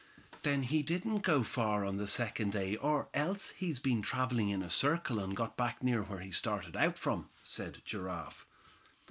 "Then he didn't go far on the second day, or else he's been traveling in a circle and got back near where he started out from," said Giraffe.